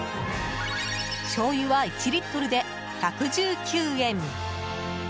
しょうゆは１リットルで１１９円。